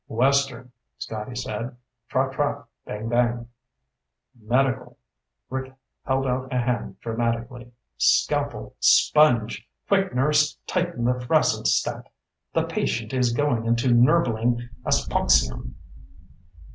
"Western," Scotty said. "Trot trot, bang bang." "Medical." Rick held out a hand dramatically. "Scalpel! Sponge! Quick, nurse, tighten the frassen stat! The patient is going into nurbeling aspoxium!"